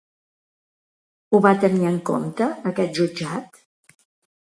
Ho va tenir en compte aquest jutjat?